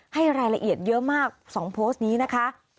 ให้รายละเอียดเยอะมาก๒โพสต์นี้นะคะ